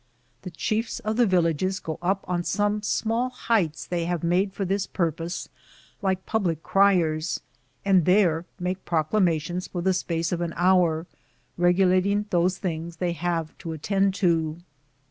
The chiefs of the villages go up on some lit tle heights they have made for this purpose, like public criers, and there make proclama tions for the space of an hour, regulating those things they have to attend to.